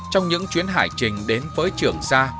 trong những chuyến hải trình đến với trường sa